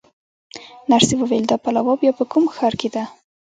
نرسې وویل: دا پلاوا بیا په کوم ښار کې ده؟